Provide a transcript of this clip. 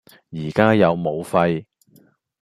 而家有武肺